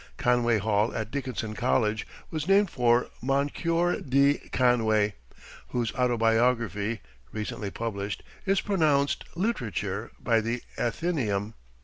Conway Hall at Dickinson College, was named for Moncure D. Conway, whose Autobiography, recently published, is pronounced "literature" by the "Athenæum."